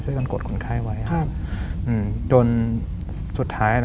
อ๋อเป็นยันย์หรอ